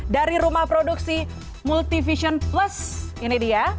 dari rumah produksi multificion plus ini dia